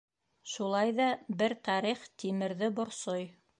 Шулай ҙа бер тарих Тимерҙе борсой.